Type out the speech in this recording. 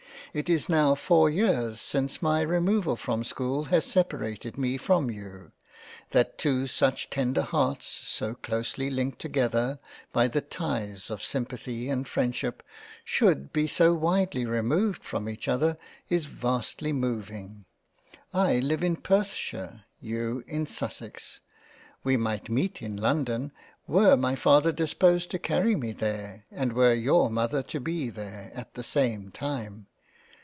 It is now four years since my removal from School has separated me from you ; that two such tender Hearts, so closely linked together by the ties of sim pathy and Freindship, should be so widely removed from each other, is vastly moving. I live in Perthshire, You in Sussex. We might meet in London, were my Father dis posed to carry me there, and were your Mother to be there at the same time.